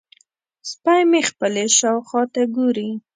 سپی مې خپلې شاوخوا ته ګوري.